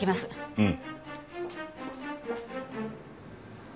うん。